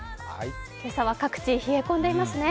今朝は各地冷え込んでいますね。